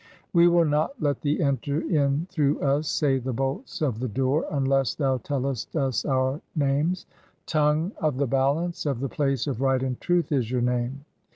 " '"We will not let thee enter in through us', say the bolts of "(28) the door, 'unless thou tellest [us] our names' ; 'Tongue "[of the Balance] of the place of right and truth' is your name.